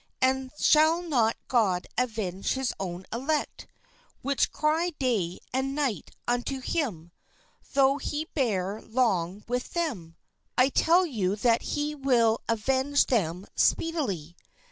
And shall not God avenge his own elect, which cry day and night unto him, though he bear long with them ? 1 tell you 173 that he will avenge them speedily.